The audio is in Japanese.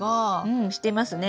うんしてますね。